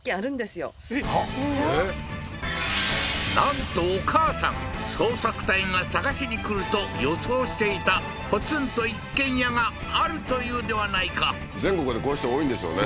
なんとお母さん捜索隊が探しに来ると予想していたポツンと一軒家があるというではないか全国でこういう人多いんでしょうね